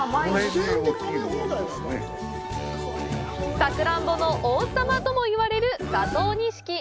「さくらんぼの王様」とも言われる佐藤錦。